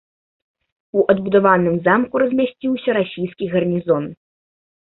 У адбудаваным замку размясціўся расійскі гарнізон.